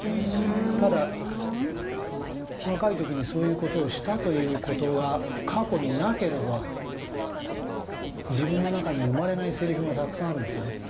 ただ若い時にそういうことをしたということが過去になければ自分の中に生まれないセリフがたくさんあるんですね。